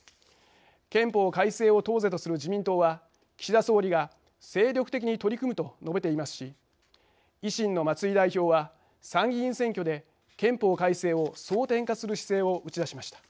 憲法改正を党是とする自民党は岸田総理が「精力的に取り組む」と述べていますし維新の松井代表は参議院選挙で憲法改正を争点化する姿勢を打ち出しました。